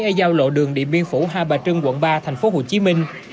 ở giao lộ đường địa biên phủ hà bà trưng quận ba thành phố hồ chí minh